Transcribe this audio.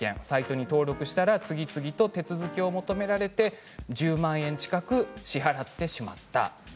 サイトに登録したら次々と手続きを求められて１０万円近く支払ってしまった。